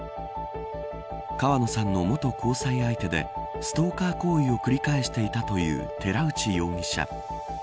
川野さんの元交際相手でストーカー行為を繰り返していたという寺内容疑者。